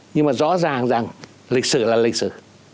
nhưng mà rõ ràng rằng lịch sử là lịch sử